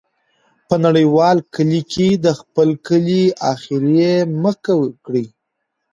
په نړیوال کلي کې د خپل کلی ، اخر یې مه کړې.